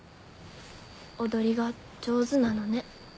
踊りが上手なのね。